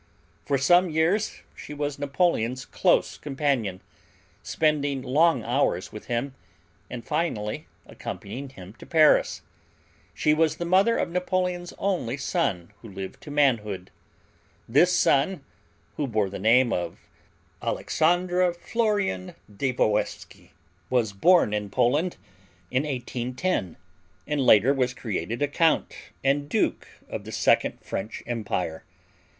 For some years she was Napoleon's close companion, spending long hours with him and finally accompanying him to Paris. She was the mother of Napoleon's only son who lived to manhood. This son, who bore the name of Alexandre Florian de Walewski, was born in Poland in 1810, and later was created a count and duke of the second French Empire.